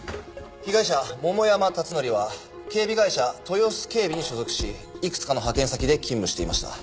被害者桃山辰徳は警備会社豊洲警備に所属しいくつかの派遣先で勤務していました。